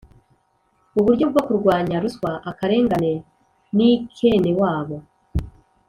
Uburyo bwo kurwanya ruswa akarengane n’ikenewabo